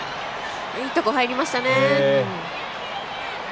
いいとこ入りましたね。